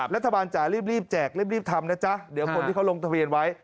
จ๋ารีบแจกรีบทำนะจ๊ะเดี๋ยวคนที่เขาลงทะเบียนไว้